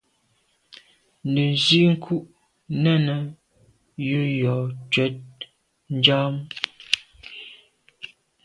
Nə nzìkuʼ nɛ̂n jə yò cwɛ̌d nja αm.